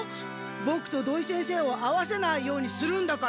ボクと土井先生を会わせないようにするんだから。